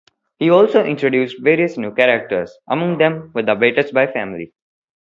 He also introduced various new characters, among them were the Battersby family.